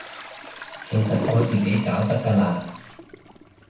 其實我自己搞得㗎喇